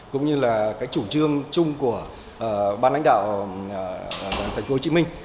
cũng như là cái chủ trương chung của ban lãnh đạo tp hcm